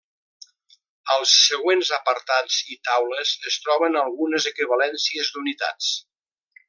Als següents apartats i taules es troben algunes equivalències d'unitats.